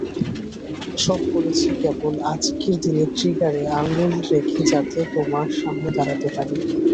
সব করেছি কেবল আজকের দিনে ট্রিগারে আঙুল রেখে যাতে তোমার সামনে দাঁড়াতে পারি।